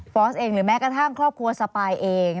สเองหรือแม้กระทั่งครอบครัวสปายเอง